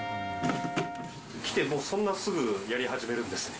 来て、もうそんなすぐ、やり始めるんですね。